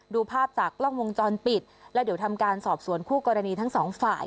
ดูภาพจากกล้องวงจรปิดแล้วเดี๋ยวทำการสอบสวนคู่กรณีทั้งสองฝ่าย